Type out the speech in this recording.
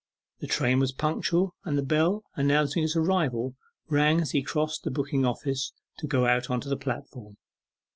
The train was punctual, and the bell, announcing its arrival, rang as he crossed the booking office to go out upon the platform.